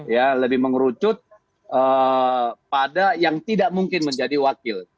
ya lebih mengerucut pada yang tidak mungkin menjadi wakil